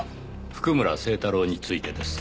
譜久村聖太郎についてです。